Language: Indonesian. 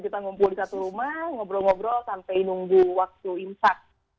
kita ngumpul di satu rumah ngobrol ngobrol sampai nunggu waktu imsak